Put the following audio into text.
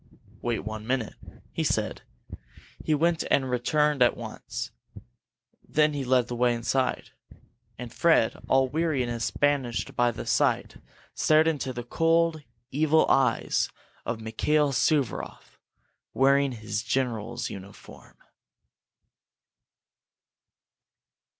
"Wait one minute," he said. He went, and returned at once. Then he led the way inside. And Fred, all weariness banished by the sight, stared into the cold, evil eyes of Mikail Suvaroff, wearing his general's uniform.